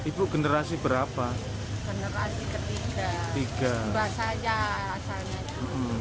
mbak saya asalnya itu